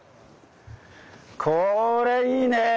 これいいね！